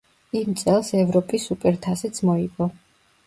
იმ წელს ევროპის სუპერთასიც მოიგო.